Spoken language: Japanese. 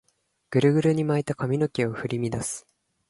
グルグルに巻いた髪の毛を振り乱す